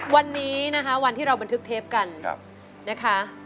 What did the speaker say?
วันนี้นะคะวันที่เราบันทึกเทปกันนะคะ